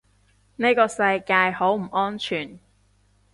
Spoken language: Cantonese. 呢個世界好唔安全